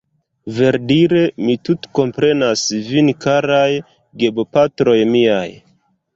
Verdire, mi tutkomprenas vin karaj gebopatroj miaj